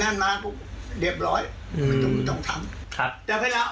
แล้วมันไม่มีการตรวจตอบล่ะ